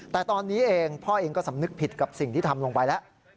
แต่ตอนนี้เองพ่อเองก็สำนึกผิดกับสิ่งที่ทำลงไปแล้ว